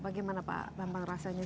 bagaimana pak bambang rasanya